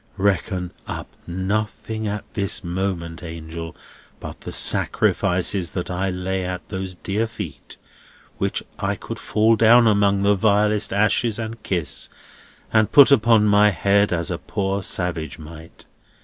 "Reckon up nothing at this moment, angel, but the sacrifices that I lay at those dear feet, which I could fall down among the vilest ashes and kiss, and put upon my head as a poor savage might.